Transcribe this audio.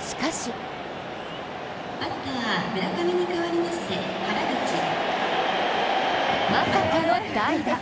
しかしまさかの代打。